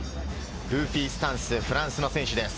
グーフィースタンス、フランスの選手です。